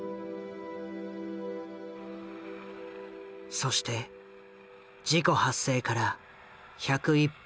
そして事故発生から１０１分